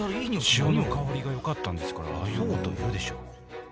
潮の香りがよかったんですからああいうこと言うでしょう。